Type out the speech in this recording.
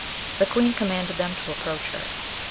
The queen commanded them to approach her.